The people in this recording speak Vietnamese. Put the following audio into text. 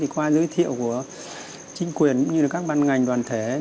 qua giới thiệu của chính quyền như các bàn ngành đoàn thể